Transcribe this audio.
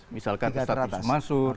misalkan status masuk